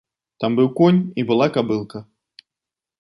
Там быў конь і была кабылка.